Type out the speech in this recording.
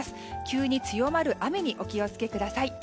急に強まる雨にお気を付けください。